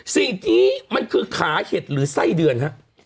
สิ่งที่มันคือขาเห็ดหรือไส้เดือนฮะ